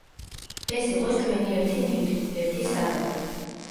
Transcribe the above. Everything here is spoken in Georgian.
ეს იყოს ჩვენი ერთი ნივთი, ერთი საგანი.